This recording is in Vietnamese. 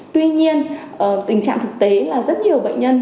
tuy nhiên tình trạng thực tế là rất nhiều bệnh nhân